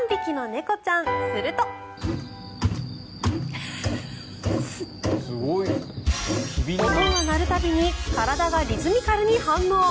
音が鳴る度に体がリズミカルに反応。